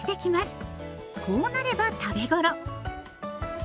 こうなれば食べ頃。